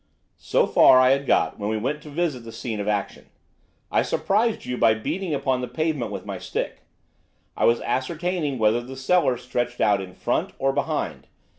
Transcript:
"So far I had got when we went to visit the scene of action. I surprised you by beating upon the pavement with my stick. I was ascertaining whether the cellar stretched out in front or behind.